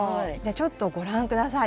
ちょっとご覧ください。